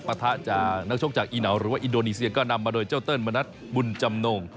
ปะทะจากนักชกจากอีเหนาหรือว่าอินโดนีเซียก็นำมาโดยเจ้าเติ้ลมณัฐบุญจำนง